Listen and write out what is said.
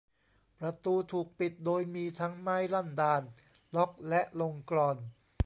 ประตูถูกปิดโดยมีทั้งไม้ลั่นดาล ล็อค และลงกลอน